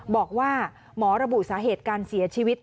บอกว่าหมอระบุสาเหตุการเสียชีวิต